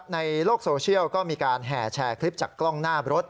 ในโลกโซเชียลก็มีการแห่แชร์คลิปจากกล้องหน้ารถ